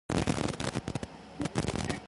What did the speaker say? Angelo later dropped his involvement in the station.